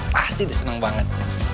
pasti diseneng banget